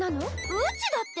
うちだって！